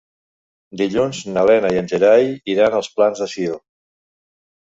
Dilluns na Lena i en Gerai iran als Plans de Sió.